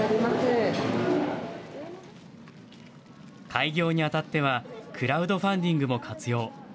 開業にあたっては、クラウドファンディングも活用。